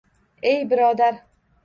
Ey birodar!